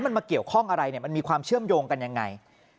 มันมาเกี่ยวข้องอะไรเนี่ยมันมีความเชื่อมโยงกันยังไง